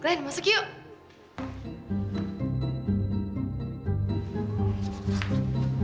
glenn masuk yuk